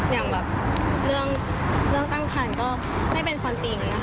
อย่างแบบเรื่องตั้งคันก็ไม่เป็นความจริงนะคะ